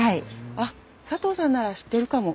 あっ佐藤さんなら知ってるかも。